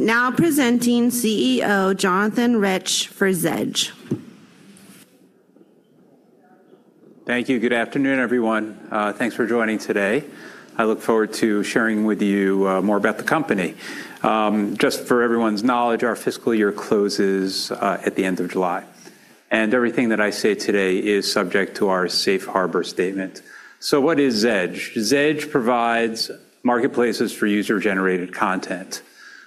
Now presenting CEO Jonathan Reich for Zedge. Thank you. Good afternoon, everyone. Thanks for joining today. I look forward to sharing with you more about the company. Just for everyone's knowledge, our fiscal year closes at the end of July, and everything that I say today is subject to our safe harbor statement. What is Zedge? Zedge provides marketplaces for user-generated content.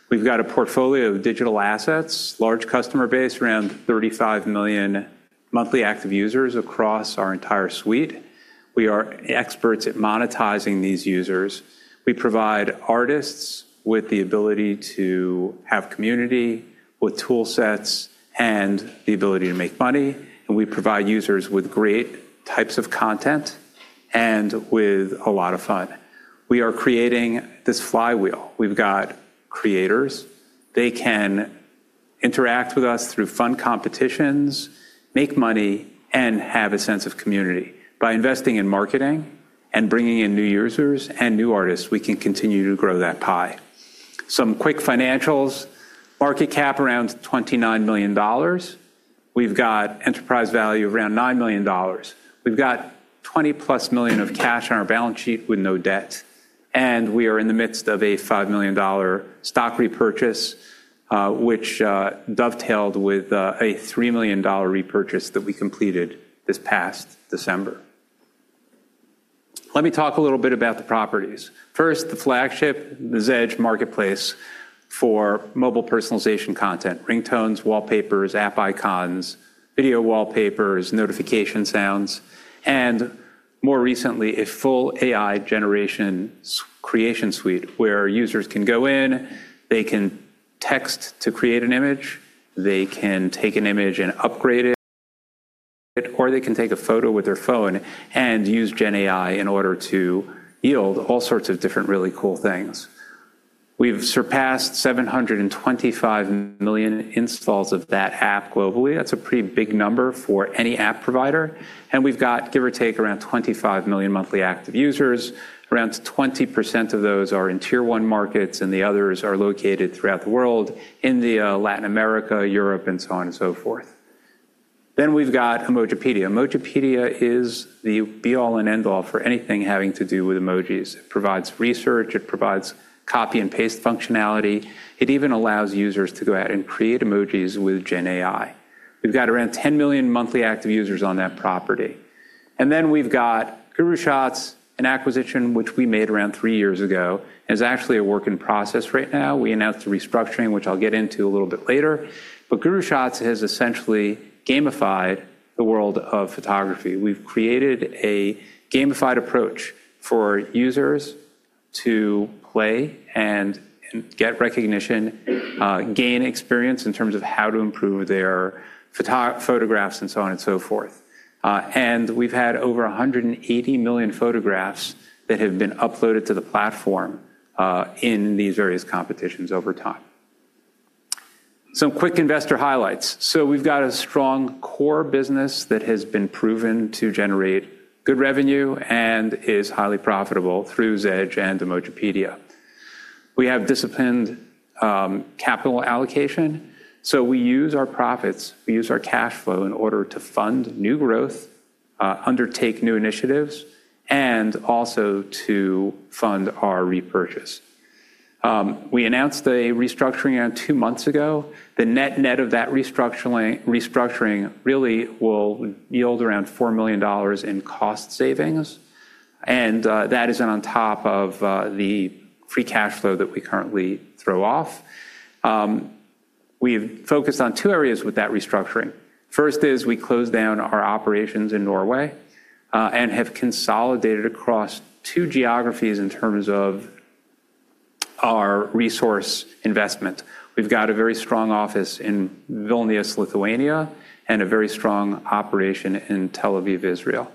We have got a portfolio of digital assets, large customer base, around 35 million Monthly Active Users across our entire suite. We are experts at monetizing these users. We provide artists with the ability to have community, with tool sets, and the ability to make money. We provide users with great types of content and with a lot of fun. We are creating this flywheel. We have got creators. They can interact with us through fun competitions, make money, and have a sense of community. By investing in marketing and bringing in new users and new artists, we can continue to grow that pie. Some quick financials: market cap around $29 million. We've got enterprise value around $9 million. We've got $20 million-plus of cash on our balance sheet with no debt. We are in the midst of a $5 million stock repurchase, which dovetailed with a $3 million repurchase that we completed this past December. Let me talk a little bit about the properties. First, the flagship, the Zedge Marketplace for mobile personalization content: ringtones, wallpapers, app icons, video wallpapers, notification sounds, and more recently, a full AI generation creation suite where users can go in, they can text to create an image, they can take an image and upgrade it, or they can take a photo with their phone and use Gen AI in order to yield all sorts of different really cool things. We've surpassed 725 million installs of that app globally. That's a pretty big number for any app provider. We've got, give or take, around 25 million Monthly Active Users. Around 20% of those are in Tier 1 markets, and the others are located throughout the world: India, Latin America, Europe, and so on and so forth. We've got Emojipedia. Emojipedia is the be-all and end-all for anything having to do with emojis. It provides research. It provides copy and paste functionality. It even allows users to go out and create emojis with Gen AI. We've got around 10 million Monthly Active Users on that property. We've got GuruShots, an acquisition which we made around three years ago. It's actually a work in process right now. We announced the restructuring, which I'll get into a little bit later. GuruShots has essentially gamified the world of photography. We've created a gamified approach for users to play and get recognition, gain experience in terms of how to improve their photographs and so on and so forth. We've had over 180 million photographs that have been uploaded to the platform in these various competitions over time. Some quick investor highlights. We've got a strong core business that has been proven to generate good revenue and is highly profitable through Zedge and Emojipedia. We have disciplined capital allocation. We use our profits, we use our cash flow in order to fund new growth, undertake new initiatives, and also to fund our repurchase. We announced the restructuring around two months ago. The net-net of that restructuring really will yield around $4 million in cost savings. That is on top of the free cash flow that we currently throw off. We've focused on two areas with that restructuring. First is we closed down our operations in Norway and have consolidated across two geographies in terms of our resource investment. We've got a very strong office in Vilnius, Lithuania, and a very strong operation in Tel Aviv, Israel.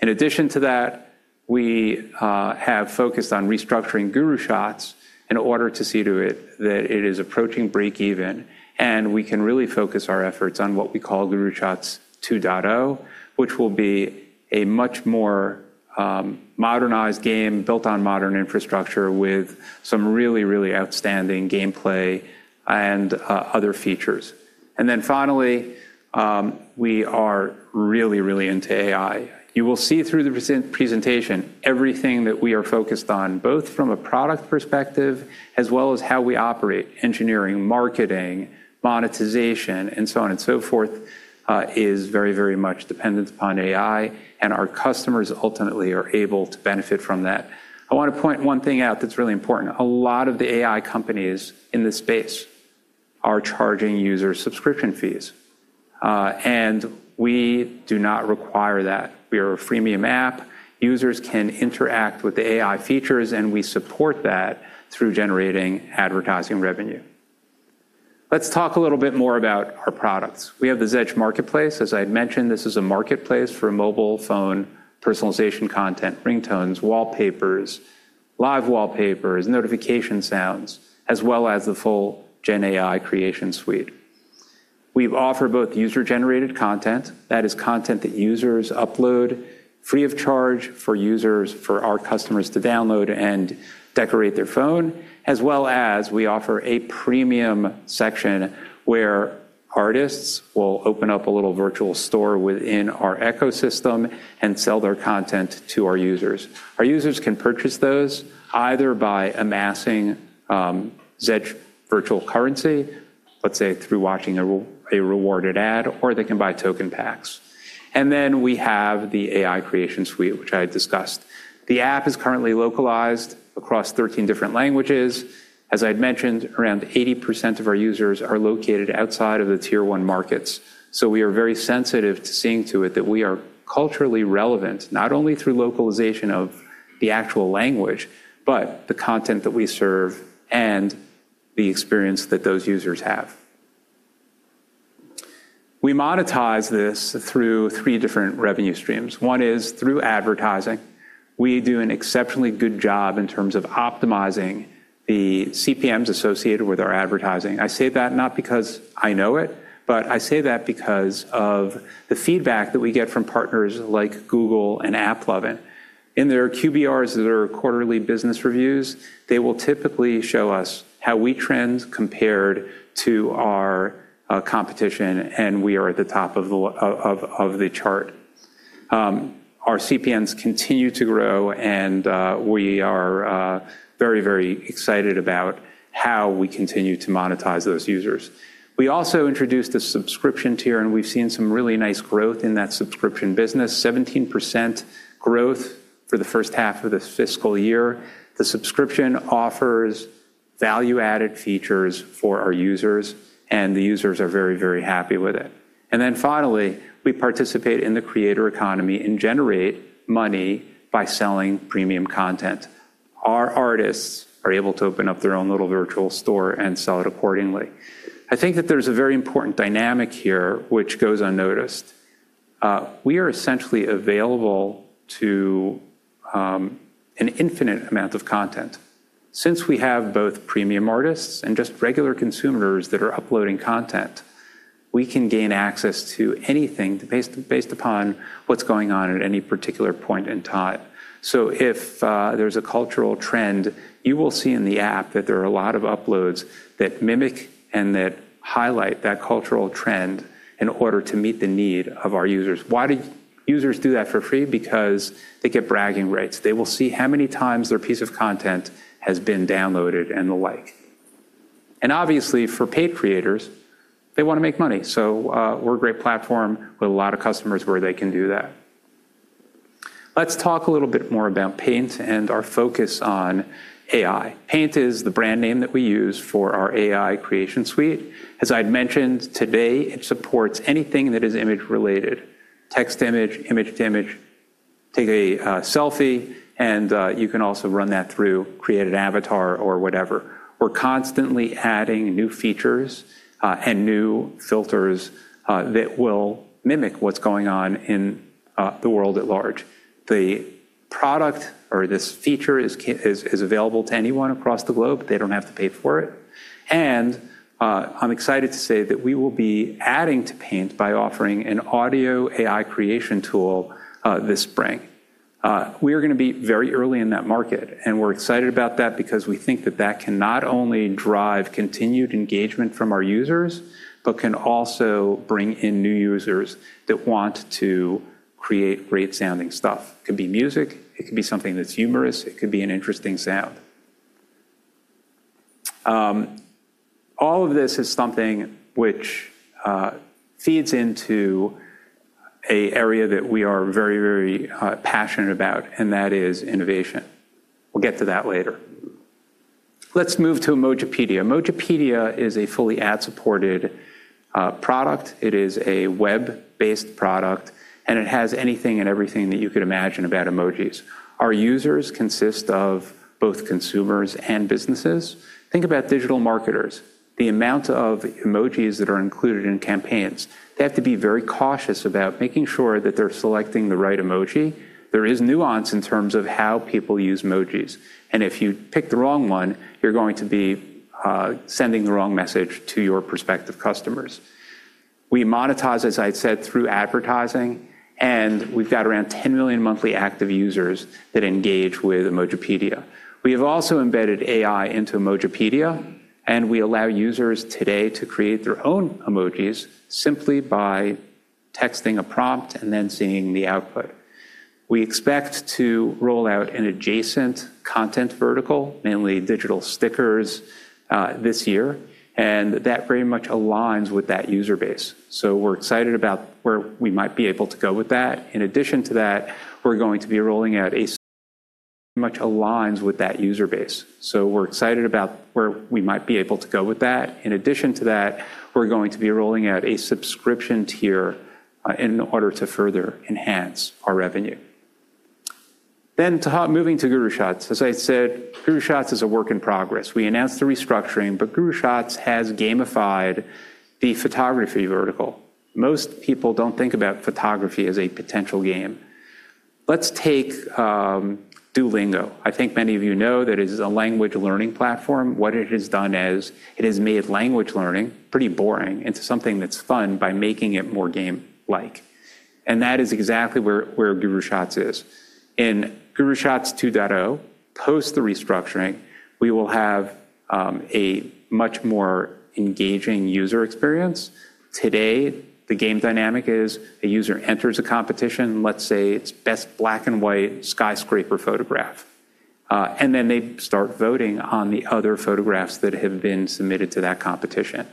In addition to that, we have focused on restructuring GuruShots in order to see that it is approaching break-even. We can really focus our efforts on what we call GuruShots 2.0, which will be a much more modernized game built on modern infrastructure with some really, really outstanding gameplay and other features. Finally, we are really, really into AI. You will see through the presentation everything that we are focused on, both from a product perspective as well as how we operate. Engineering, marketing, monetization, and so on and so forth is very, very much dependent upon AI. Our customers ultimately are able to benefit from that. I want to point one thing out that's really important. A lot of the AI companies in this space are charging users subscription fees. We do not require that. We are a freemium app. Users can interact with the AI features, and we support that through generating advertising revenue. Let's talk a little bit more about our products. We have the Zedge Marketplace. As I mentioned, this is a marketplace for mobile phone personalization content, ringtones, wallpapers, live wallpapers, notification sounds, as well as the full Gen AI creation suite. We offer both user-generated content, that is content that users upload free of charge for users, for our customers to download and decorate their phone, as well as we offer a premium section where artists will open up a little virtual store within our ecosystem and sell their content to our users. Our users can purchase those either by amassing Zedge virtual currency, let's say through watching a rewarded ad, or they can buy Token Packs. We have the AI creation suite, which I discussed. The app is currently localized across 13 different languages. As I'd mentioned, around 80% of our users are located outside of the Tier 1 markets. We are very sensitive to seeing to it that we are culturally relevant, not only through localization of the actual language, but the content that we serve and the experience that those users have. We monetize this through three different revenue streams. One is through advertising. We do an exceptionally good job in terms of optimizing the CPMs associated with our advertising. I say that not because I know it, but I say that because of the feedback that we get from partners like Google and AppLovin. In their QBRs, their quarterly business reviews, they will typically show us how we trend compared to our competition, and we are at the top of the chart. Our CPMs continue to grow, and we are very, very excited about how we continue to monetize those users. We also introduced a subscription Tier, and we've seen some really nice growth in that subscription business: 17% growth for the first half of the fiscal year. The subscription offers value-added features for our users, and the users are very, very happy with it. Finally, we participate in the creator economy and generate money by selling premium content. Our artists are able to open up their own little virtual store and sell it accordingly. I think that there's a very important dynamic here which goes unnoticed. We are essentially available to an infinite amount of content. Since we have both premium artists and just regular consumers that are uploading content, we can gain access to anything based upon what's going on at any particular point in time. If there is a cultural trend, you will see in the app that there are a lot of uploads that mimic and that highlight that cultural trend in order to meet the need of our users. Why do users do that for free? Because they get bragging rights. They will see how many times their piece of content has been downloaded and the like. Obviously, for paid creators, they want to make money. We are a great platform with a lot of customers where they can do that. Let's talk a little bit more about Paint and our focus on AI. Paint is the brand name that we use for our AI creation suite. As I mentioned, today, it supports anything that is image-related: text to image, image to image. Take a selfie, and you can also run that through, create an avatar or whatever. We're constantly adding new features and new filters that will mimic what's going on in the world at large. The product or this feature is available to anyone across the globe. They don't have to pay for it. I'm excited to say that we will be adding to Paint by offering an audio AI creation tool this spring. We are going to be very early in that market, and we're excited about that because we think that that can not only drive continued engagement from our users, but can also bring in new users that want to create great-sounding stuff. It could be music. It could be something that's humorous. It could be an interesting sound. All of this is something which feeds into an area that we are very, very passionate about, and that is innovation. We'll get to that later. Let's move to Emojipedia. Emojipedia is a fully ad-supported product. It is a web-based product, and it has anything and everything that you could imagine about emojis. Our users consist of both consumers and businesses. Think about digital marketers. The amount of emojis that are included in campaigns, they have to be very cautious about making sure that they're selecting the right emoji. There is nuance in terms of how people use emojis. If you pick the wrong one, you're going to be sending the wrong message to your prospective customers. We monetize, as I said, through advertising, and we've got around 10 million Monthly Active Users that engage with Emojipedia. We have also embedded AI into Emojipedia, and we allow users today to create their own emojis simply by texting a prompt and then seeing the output. We expect to roll out an adjacent content vertical, mainly digital stickers, this year. That very much aligns with that user base. We are excited about where we might be able to go with that. In addition to that, we are going to be rolling out a subscription Tier in order to further enhance our revenue. Moving to GuruShots. As I said, GuruShots is a work in progress. We announced the restructuring, but GuruShots has gamified the photography vertical. Most people do not think about photography as a potential game. Take Duolingo. I think many of you know that it is a language learning platform. What it has done is it has made language learning pretty boring into something that is fun by making it more game-like. That is exactly where GuruShots is. In GuruShots 2.0, post the restructuring, we will have a much more engaging user experience. Today, the game dynamic is a user enters a competition, let's say it's best black and white skyscraper photograph. They start voting on the other photographs that have been submitted to that competition.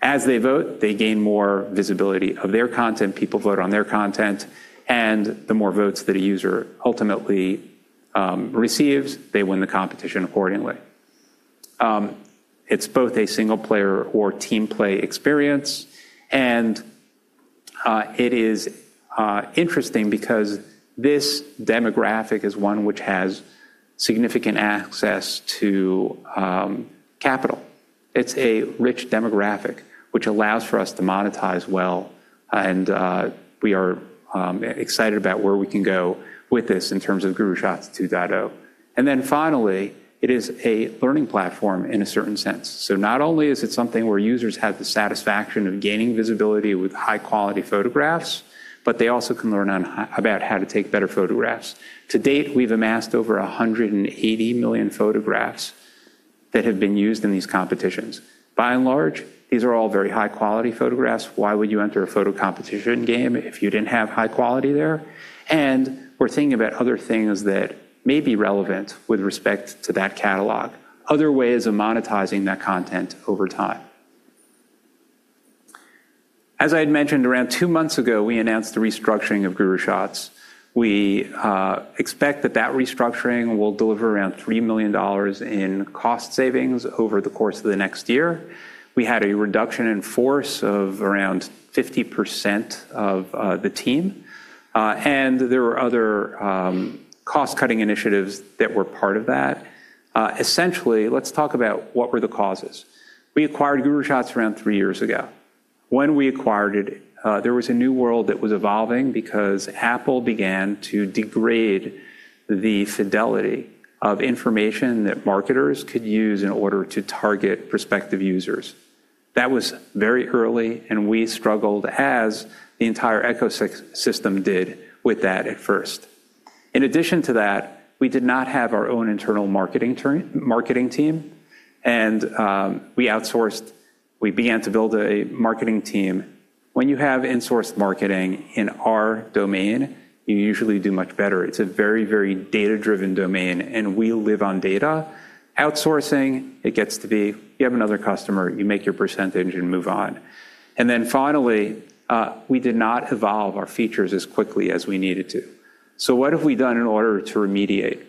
As they vote, they gain more visibility of their content. People vote on their content. The more votes that a user ultimately receives, they win the competition accordingly. It's both a single-player or team-play experience. It is interesting because this demographic is one which has significant access to capital. It's a rich demographic which allows for us to monetize well. We are excited about where we can go with this in terms of GuruShots 2.0. Finally, it is a learning platform in a certain sense. Not only is it something where users have the satisfaction of gaining visibility with high-quality photographs, but they also can learn about how to take better photographs. To date, we've amassed over 180 million photographs that have been used in these competitions. By and large, these are all very high-quality photographs. Why would you enter a photo competition game if you did not have high quality there? We are thinking about other things that may be relevant with respect to that catalog, other ways of monetizing that content over time. As I had mentioned, around two months ago, we announced the restructuring of GuruShots. We expect that restructuring will deliver around $3 million in cost savings over the course of the next year. We had a reduction in force of around 50% of the team. There were other cost-cutting initiatives that were part of that. Essentially, let's talk about what were the causes. We acquired GuruShots around three years ago. When we acquired it, there was a new world that was evolving because Apple began to degrade the fidelity of information that marketers could use in order to target prospective users. That was very early, and we struggled, as the entire ecosystem did with that at first. In addition to that, we did not have our own internal marketing team. We outsourced. We began to build a marketing team. When you have insourced marketing in our domain, you usually do much better. It's a very, very data-driven domain, and we live on data. Outsourcing, it gets to be you have another customer, you make your percentage and move on. Finally, we did not evolve our features as quickly as we needed to. What have we done in order to remediate?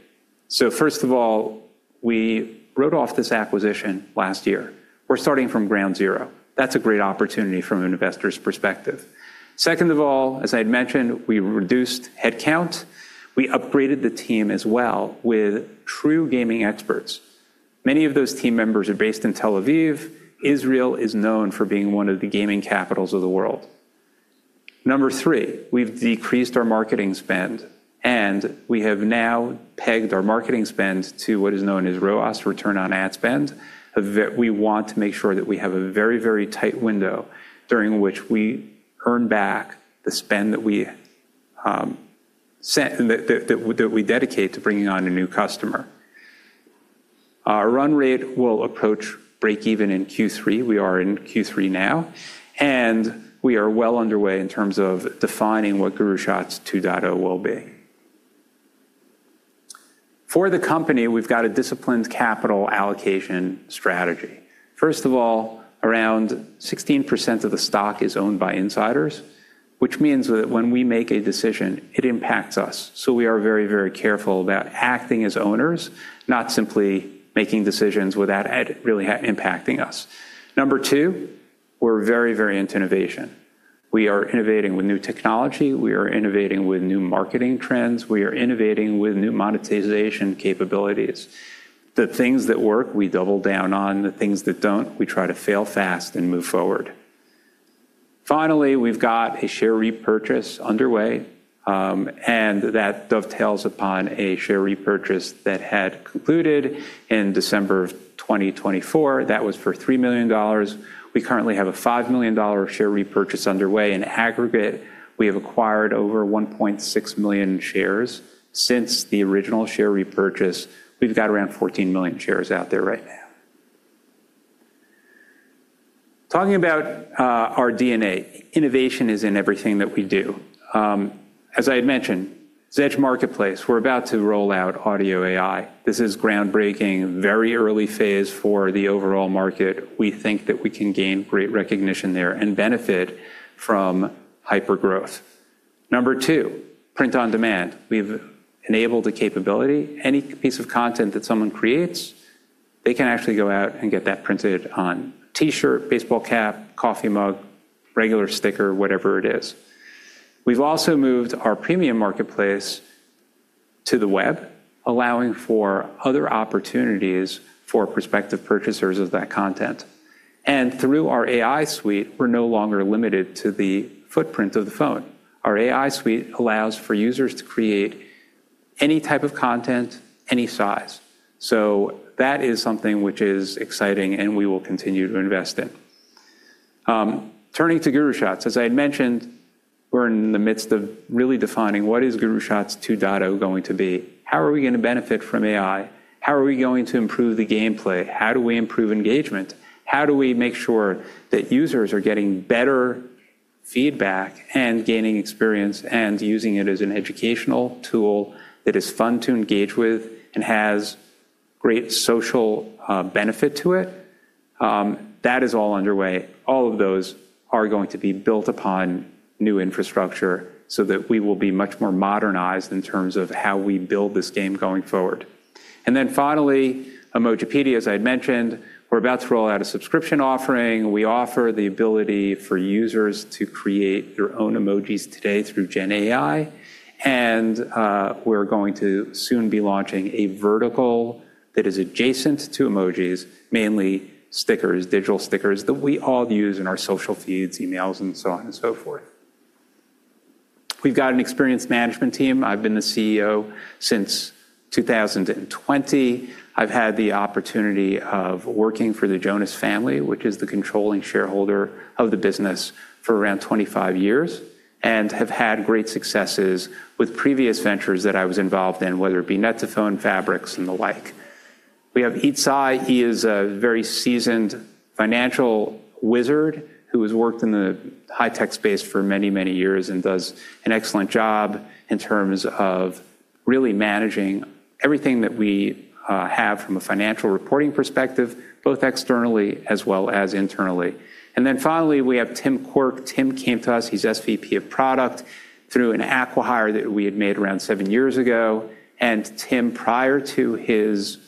First of all, we wrote off this acquisition last year. We're starting from ground zero. That's a great opportunity from an investor's perspective. Second of all, as I had mentioned, we reduced headcount. We upgraded the team as well with true gaming experts. Many of those team members are based in Tel Aviv. Israel is known for being one of the gaming capitals of the world. Number three, we've decreased our marketing spend, and we have now pegged our marketing spend to what is known as ROAS, return on ad spend. We want to make sure that we have a very, very tight window during which we earn back the spend that we dedicate to bringing on a new customer. Our run rate will approach break-even in Q3. We are in Q3 now, and we are well underway in terms of defining what GuruShots 2.0 will be. For the company, we've got a disciplined capital allocation strategy. First of all, around 16% of the stock is owned by insiders, which means that when we make a decision, it impacts us. We are very, very careful about acting as owners, not simply making decisions without really impacting us. Number two, we're very, very into innovation. We are innovating with new technology. We are innovating with new marketing trends. We are innovating with new monetization capabilities. The things that work, we double down on. The things that do not, we try to fail fast and move forward. Finally, we've got a share repurchase underway, and that dovetails upon a share repurchase that had concluded in December of 2024. That was for $3 million. We currently have a $5 million share repurchase underway. In aggregate, we have acquired over 1.6 million shares since the original share repurchase. We've got around 14 million shares out there right now. Talking about our DNA, innovation is in everything that we do. As I had mentioned, Zedge Marketplace, we're about to roll out audio AI. This is groundbreaking, very early phase for the overall market. We think that we can gain great recognition there and benefit from hypergrowth. Number two, print on demand. We've enabled the capability. Any piece of content that someone creates, they can actually go out and get that printed on a T-shirt, baseball cap, coffee mug, regular sticker, whatever it is. We've also moved our Premium Marketplace to the web, allowing for other opportunities for prospective purchasers of that content. Through our AI suite, we're no longer limited to the footprint of the phone. Our AI suite allows for users to create any type of content, any size. That is something which is exciting, and we will continue to invest in. Turning to GuruShots, as I had mentioned, we're in the midst of really defining what is GuruShots 2.0 going to be. How are we going to benefit from AI? How are we going to improve the gameplay? How do we improve engagement? How do we make sure that users are getting better feedback and gaining experience and using it as an educational tool that is fun to engage with and has great social benefit to it? That is all underway. All of those are going to be built upon new infrastructure so that we will be much more modernized in terms of how we build this game going forward. Finally, Emojipedia, as I had mentioned, we're about to roll out a subscription offering. We offer the ability for users to create their own emojis today through Gen AI. We are going to soon be launching a vertical that is adjacent to emojis, mainly stickers, digital stickers that we all use in our social feeds, emails, and so on and so forth. We have got an experienced management team. I have been the CEO since 2020. I have had the opportunity of working for the Jonas family, which is the controlling shareholder of the business for around 25 years, and have had great successes with previous ventures that I was involved in, whether it be Net2Phone, Fabrics, and the like. We have Yi Tsai. He is a very seasoned financial wizard who has worked in the high-tech space for many, many years and does an excellent job in terms of really managing everything that we have from a financial reporting perspective, both externally as well as internally. Finally, we have Tim Quirk. Tim came to us. He's SVP of Product through an acquire that we had made around seven years ago. Tim, prior to his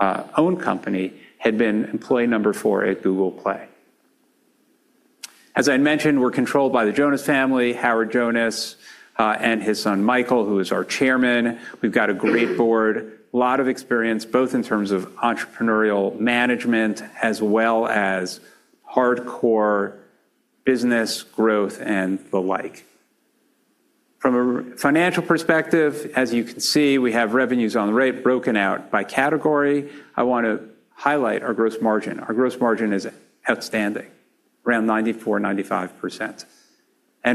own company, had been employee number four at Google Play. As I mentioned, we're controlled by the Jonas family, Howard Jonas, and his son Michael, who is our Chairman. We've got a great board, a lot of experience, both in terms of entrepreneurial management as well as hardcore business growth and the like. From a financial perspective, as you can see, we have revenues on the right broken out by category. I want to highlight our gross margin. Our gross margin is outstanding, around 94%-95%.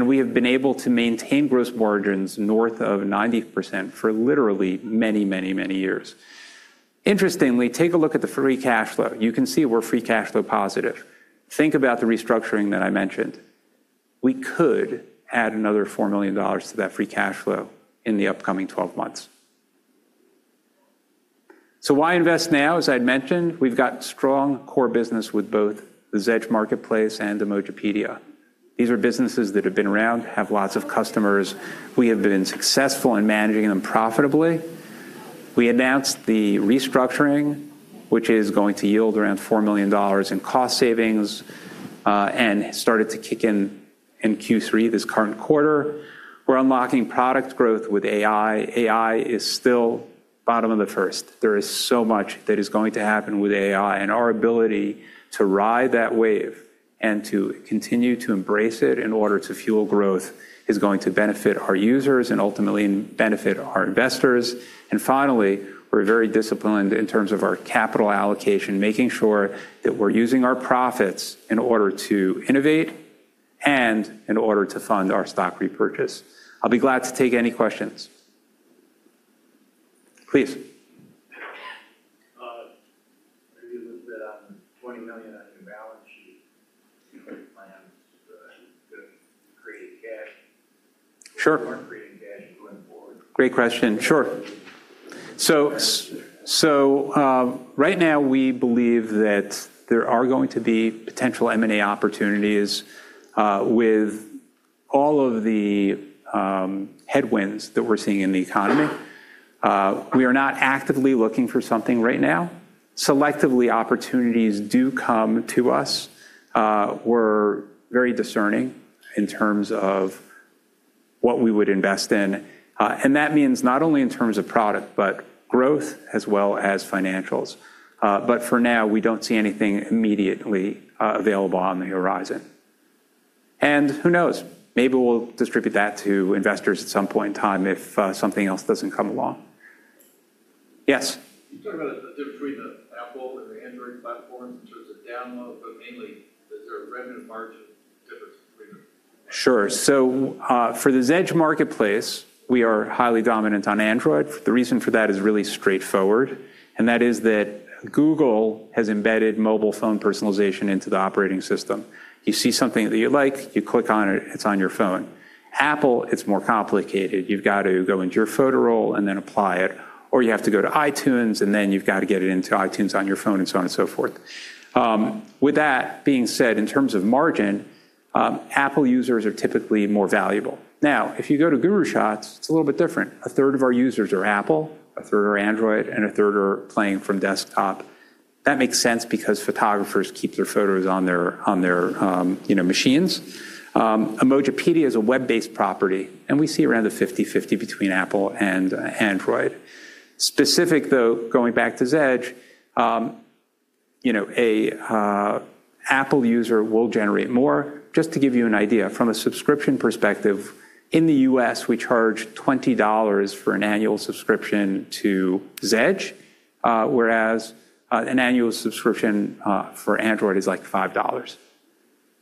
We have been able to maintain gross margins north of 90% for literally many, many, many years. Interestingly, take a look at the free cash flow. You can see we're free cash flow positive. Think about the restructuring that I mentioned. We could add another $4 million to that free cash flow in the upcoming 12 months. Why invest now? As I'd mentioned, we've got strong core business with both the Zedge Marketplace and Emojipedia. These are businesses that have been around, have lots of customers. We have been successful in managing them profitably. We announced the restructuring, which is going to yield around $4 million in cost savings and started to kick in in Q3, this current quarter. We're unlocking product growth with AI. AI is still bottom of the first. There is so much that is going to happen with AI. Our ability to ride that wave and to continue to embrace it in order to fuel growth is going to benefit our users and ultimately benefit our investors. Finally, we're very disciplined in terms of our capital allocation, making sure that we're using our profits in order to innovate and in order to fund our stock repurchase. I'll be glad to take any questions. Please. Maybe a little bit on the $20 million on your balance sheet plan to create cash. Sure. Creating cash going forward. Great question. Sure. Right now, we believe that there are going to be potential M&A opportunities with all of the headwinds that we're seeing in the economy. We are not actively looking for something right now. Selectively, opportunities do come to us. We're very discerning in terms of what we would invest in. That means not only in terms of product, but growth as well as financials. For now, we don't see anything immediately available on the horizon. Who knows? Maybe we'll distribute that to investors at some point in time if something else doesn't come along. Yes. You talked about the difference between the Apple and the Android platforms in terms of download, but mainly, is there a revenue margin difference between them? Sure. For the Zedge Marketplace, we are highly dominant on Android. The reason for that is really straightforward, and that is that Google has embedded mobile phone personalization into the operating system. You see something that you like, you click on it, it's on your phone. Apple, it's more complicated. You've got to go into your photo roll and then apply it, or you have to go to iTunes, and then you've got to get it into iTunes on your phone, and so on and so forth. With that being said, in terms of margin, Apple users are typically more valuable. Now, if you go to GuruShots, it's a little bit different. A third of our users are Apple, a third are Android, and a third are playing from desktop. That makes sense because photographers keep their photos on their machines. Emojipedia is a web-based property, and we see around a 50/50 between Apple and Android. Specific, though, going back to Zedge, an Apple user will generate more. Just to give you an idea, from a subscription perspective, in the U.S., we charge $20 for an annual subscription to Zedge, whereas an annual subscription for Android is like $5.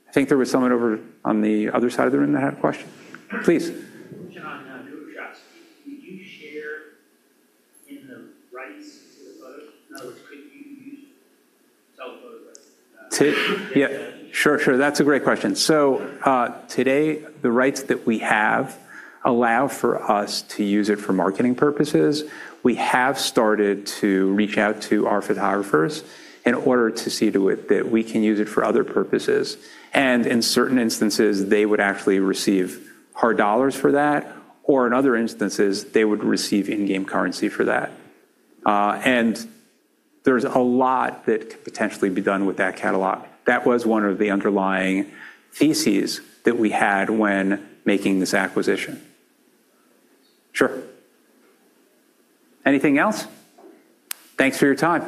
I think there was someone over on the other side of the room that had a question. Please. John, GuruShots, could you share in the rights to the photo? In other words, could you use it? Tell the photo rights. Yeah. Sure, sure. That's a great question. Today, the rights that we have allow for us to use it for marketing purposes. We have started to reach out to our photographers in order to see that we can use it for other purposes. In certain instances, they would actually receive hard dollars for that, or in other instances, they would receive in-game currency for that. There is a lot that could potentially be done with that catalog. That was one of the underlying theses that we had when making this acquisition. Sure. Anything else? Thanks for your time.